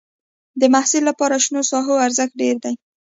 د محصل لپاره شنو ساحو ارزښت ډېر دی.